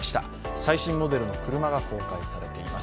最新モデルの車が公開されています。